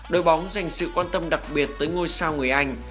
đội bóng dành sự quan tâm đặc biệt tới ngôi sao người anh